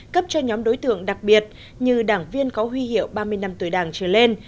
cấp cho nhóm đối tượng đặc biệt như đảng viên có huy hiệu ba mươi năm tuổi đảng trở lên